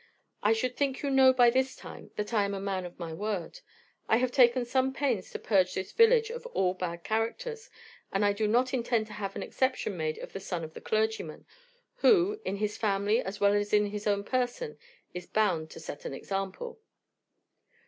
I should think you know by this time that I am a man of my word. I have taken some pains to purge this village of all bad characters, and I do not intend to have an exception made of the son of the clergyman, who, in his family as well as in his own person, is bound to set an example."